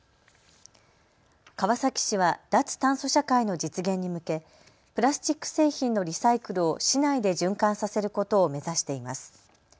川崎市は脱炭素社会の実現に向けプラスチック製品のリサイクルを市内で循環させることを目指しています。